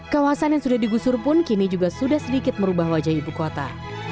kawasan yang sudah digusur pun kini juga sudah sedikit merubah wajah ibu kota